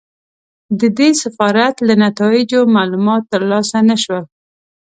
د دې سفارت له نتایجو معلومات ترلاسه نه شول.